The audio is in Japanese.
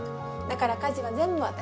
だから家事は全部私。